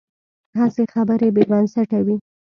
هسې خبرې بې بنسټه وي.